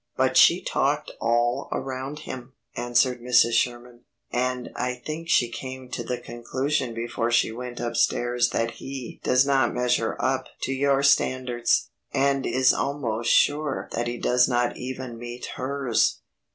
"But she talked all around him," answered Mrs. Sherman, "and I think she came to the conclusion before she went up stairs that he does not measure up to your standards, and is almost sure that he does not even meet hers."